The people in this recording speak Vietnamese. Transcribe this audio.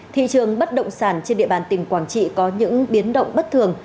thị trường bất động sản trên địa bàn tỉnh quảng trị có những biến động bất thường